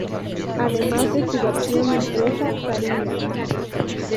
Además de su versión impresa, Taringa!